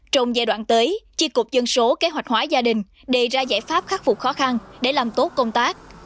trong giai đoạn tới chi cục dân số kế hoạch hóa gia đình đề ra giải pháp khắc phục khó khăn để làm tốt công tác